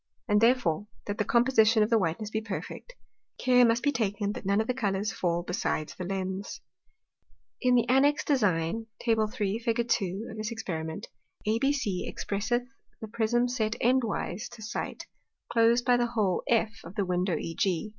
And therefore, that the Composition of whiteness be perfect, care must be taken that none of the Colours fall besides the Lens. In the annexed Design, Tab. 3. Fig. 2. of this Experiment, ABC expresseth the Prism set end wise to sight, close by the hole F of the Window EG.